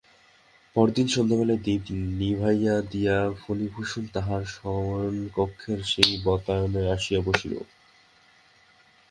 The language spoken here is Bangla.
পরদিন সন্ধ্যাবেলায় দীপ নিভাইয়া দিয়া ফণিভূষণ তাহার শয়নকক্ষের সেই বাতায়নে আসিয়া বসিল।